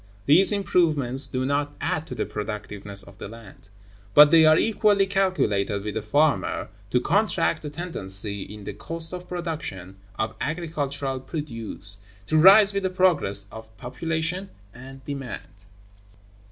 These improvements do not add to the productiveness of the land, but they are equally calculated with the former to counteract the tendency in the cost of production of agricultural produce, to rise with the progress of population and demand.